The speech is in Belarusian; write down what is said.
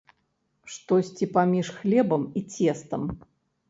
Штосьці паміж хлебам і цестам.